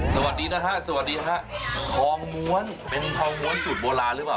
สวัสดีนะฮะสวัสดีฮะทองม้วนเป็นทองม้วนสูตรโบราณหรือเปล่า